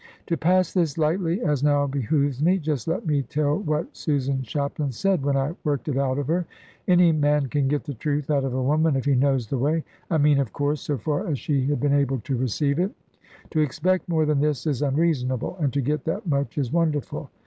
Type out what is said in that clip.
To pass this lightly as now behoves me just let me tell what Susan Shapland said, when I worked it out of her. Any man can get the truth out of a woman, if he knows the way; I mean, of course, so far as she has been able to receive it. To expect more than this is unreasonable; and to get that much is wonderful.